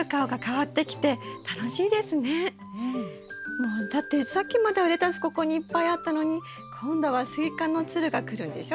もうだってさっきまではレタスここにいっぱいあったのに今度はスイカのつるが来るんでしょ。